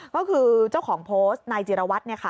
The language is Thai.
ก็คือเจ้าของโพสต์นายจิรวัตรเนี่ยค่ะ